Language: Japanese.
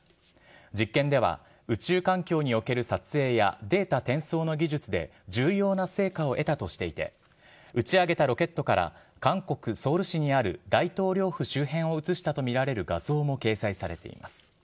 実験では、宇宙環境における撮影や、データ転送の技術で重要な成果を得たとしていて、打ち上げたロケットから、韓国・ソウル市にある大統領府周辺を写したと見られる画像も掲載されています。